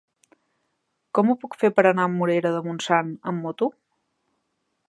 Com ho puc fer per anar a la Morera de Montsant amb moto?